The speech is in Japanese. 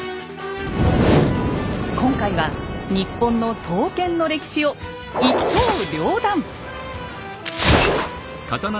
今回は日本の刀剣の歴史を一刀両断！